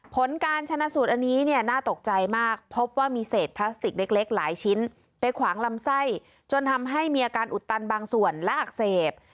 ผลการชนะสูตรอันนี้เนี่ยน่าตกใจมากพบว่ามีเศษพลาสติกเล็กหลายชิ้นไปขวางลำไส้จนทำให้มีอาการอุดตันบางส่วนและอักเสบ